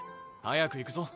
早く行くぞ。